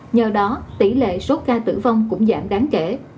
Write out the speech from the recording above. nhờ đó tỷ lệ số ca tử vong cũng giảm đáng kể